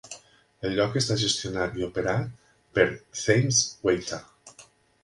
El lloc està gestionat i operat per Thames Water.